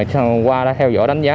hôm qua đã theo dõi đánh giá